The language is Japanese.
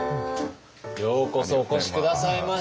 ようこそお越し下さいました。